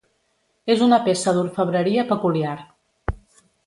És una peça d'orfebreria peculiar.